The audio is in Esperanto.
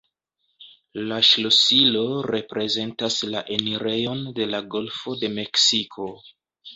La ŝlosilo reprezentas la enirejon de la Golfo de Meksiko.